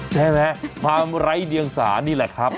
ใช่ไหมความไร้เดียงสานี่แหละครับ